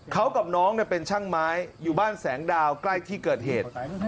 เขากับน้องเป็นช่างไม้อยู่บ้านแสงดาวใกล้ที่เกิดเหตุ